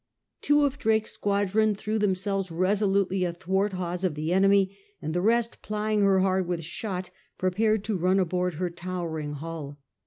Two of Drake's squadron threw themselves resolutely athwart hawse of the enemy, and the rest, plying her hard with shot, prepared to run aboard her towering hull.